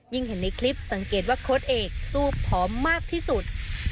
เห็นในคลิปสังเกตว่าโค้ดเอกสู้ผอมมากที่สุด